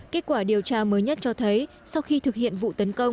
kết quả điều tra mới nhất cho thấy sau khi thực hiện vụ tấn công